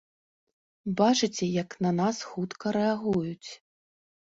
Бачыце, як на нас хутка рэагуюць!